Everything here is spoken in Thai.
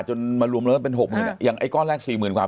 จนมารวมแล้วเป็นหกหมื่นอย่างไอ้ก้อนแรกสี่หมื่นกว่า